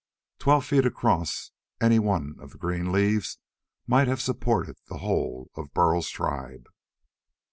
Twelve feet across, any one of the green leaves might have supported the whole of Burl's tribe.